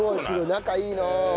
仲いいな。